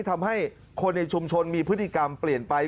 ทำให้คนในชุมชนมีพฤติกรรมเปลี่ยนไป